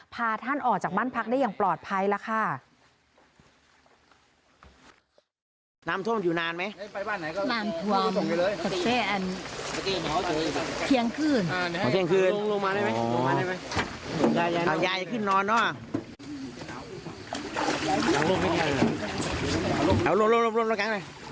พาท่านออกจากบ้านพักได้อย่างปลอดภัยแล้วค่ะ